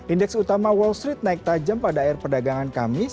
indeks utama wall street naik tajam pada air perdagangan kamis